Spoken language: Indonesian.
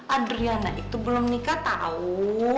adriana itu belum nikah tahu